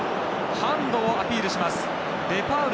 ハンドをアピールする。